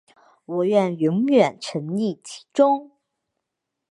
我愿永远沈溺其中